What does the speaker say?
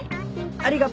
ありがと。